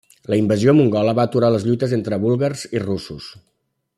La invasió mongola va aturar les lluites entre búlgars i russos.